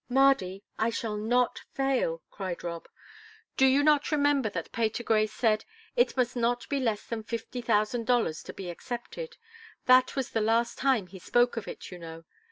"Mardy, I shall not fail," cried Rob. "Do you not remember that Patergrey said: 'It must not be less than fifty thousand dollars to be accepted?' That was the last time he spoke of it, you know.